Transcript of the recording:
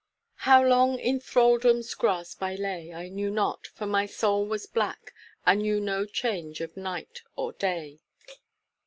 "How long in thralldom's grasp I lay I knew not; for my soul was black, And knew no change of night or day."